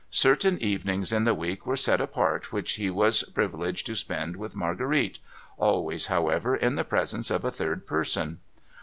Certain evenings in the week were set apart which he was privileged to spend with Marguerite — always, however, in the presence of a third person.